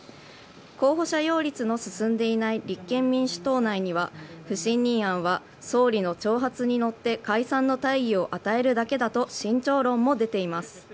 候補者擁立の進んでいない立憲民主党内には不信任案は総理の挑発に乗って解散の大義を与えるだけだと慎重論も出ています。